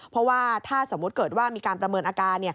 เพราะว่าถ้าสมมุติเกิดว่ามีการประเมินอาการ